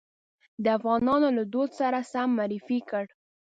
د افغانانو له دود سره سم معرفي کړ.